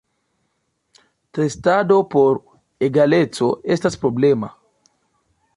Testado por egaleco estas problema.